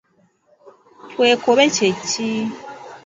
Twekobe kye ki?